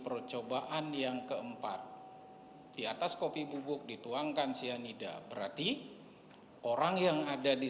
percobaan yang keempat di atas kopi bubuk dituangkan cyanida berarti orang yang ada di